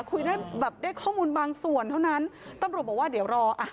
คุยได้แบบได้ข้อมูลบางส่วนเท่านั้นตำรวจบอกว่าเดี๋ยวรออ่ะ